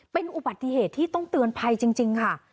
เป็นอุบัติเหตุที่ต้องเตือนภัยจริงค่ะ